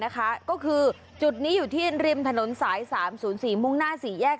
ก็คือจุดนี้อยู่ที่ริมถนนสาย๓๐๔มุ่งหน้า๔แยก